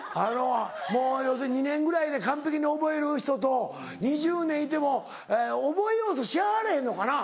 もう要するに２年ぐらいで完璧に覚える人と２０年いても覚えようとしはらへんのかな？